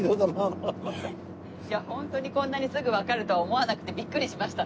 ホントにこんなにすぐわかるとは思わなくてビックリしました。